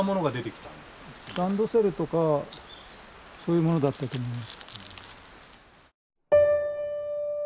ランドセルとかそういうものだったと思います。